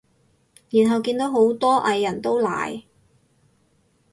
然後見到好多藝人都奶